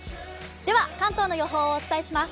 では関東の予報をお伝えします。